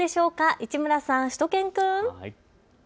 市村さん、しゅと犬くん。